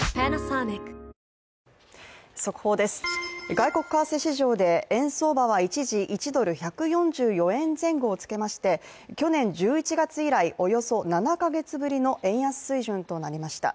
外国為替市場で円相場は一時１ドル＝１４４円前後をつけまして去年１１月以来、およそ７か月ぶりの円安水準となりました。